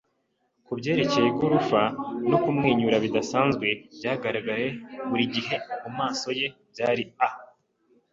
kubyerekeye igorofa no kumwenyura bidasanzwe byagaragaye buri gihe mumaso ye. Byari a